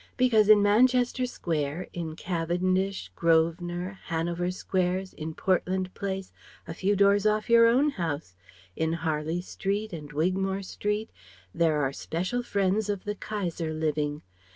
"Because in Manchester Square, in Cavendish Grosvenor Hanover Squares, in Portland Place a few doors off your own house in Harley Street and Wigmore Street: there are special friends of the Kaiser living.